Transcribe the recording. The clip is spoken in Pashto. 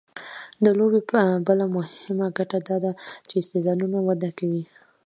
د لوبو بله مهمه ګټه دا ده چې استعدادونه وده کوي.